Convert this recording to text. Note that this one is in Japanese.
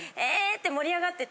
って盛り上がってて。